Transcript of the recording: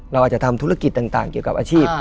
เราอาจจะทำธุรกิจต่างเกี่ยวกับอาชีพ